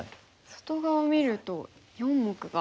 外側見ると４目が。